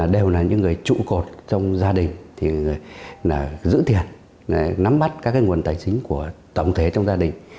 đều là những người trụ cột trong gia đình thì giữ tiền nắm bắt các nguồn tài chính của tổng thể trong gia đình